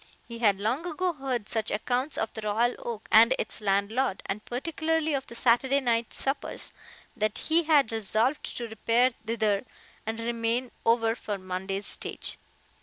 He had long ago heard such accounts of the Royal Oak and its landlord, and particularly of the Saturday night suppers, that he had resolved to repair thither and remain over for Monday's stage.